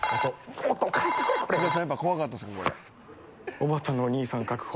おばたのお兄さん確保。